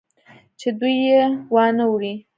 چې دوى يې وانه وري.